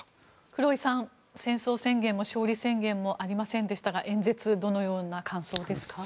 黒井さん、戦争宣言も勝利宣言もありませんでしたが演説、どのような感想ですか。